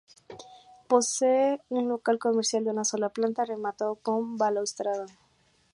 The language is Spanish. Posee un local comercial, de una sola planta, rematado con balaustrada.